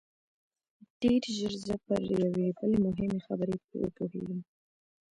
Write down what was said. ډېر ژر زه پر یوې بلې مهمې خبرې وپوهېدم